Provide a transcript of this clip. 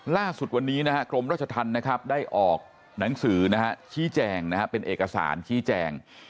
ล่าสุดวันนี้นะฮะกรมราชธรรมนะครับได้ออกหนังสือชี้แจงเป็นเอกสารชี้แจง